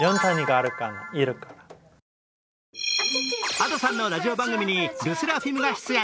Ａｄｏさんのラジオ番組にＬＥＳＳＥＲＡＦＩＭが出演。